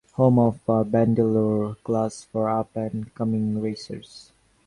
Home of a Bandeloro class for up and coming racers.